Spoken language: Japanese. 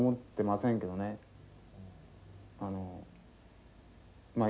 あのまあ